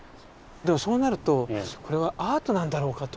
でもそうなるとこれはアートなんだろうかと。